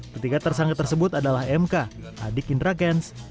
ketiga tersangka tersebut adalah mk adik indra kents